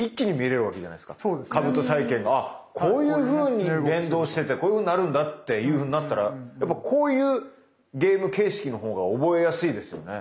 株と債券がこういうふうに連動しててこういうふうになるんだっていうふうになったらやっぱこういうゲーム形式のほうが覚えやすいですよね。